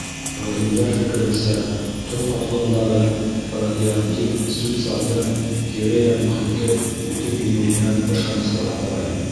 Ғалимдар фекеренсә, тоҙ ҡатламдары радиоактив сүп-сарҙың тирә-яҡ мөхиткә үтеп инеүенән ышаныслы һаҡлай.